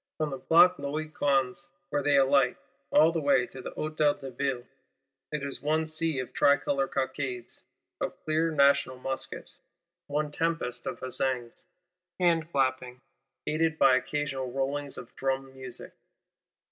From the Place Louis Quinze, where they alight, all the way to the Hôtel de Ville, it is one sea of Tricolor cockades, of clear National muskets; one tempest of huzzaings, hand clappings, aided by "occasional rollings" of drum music.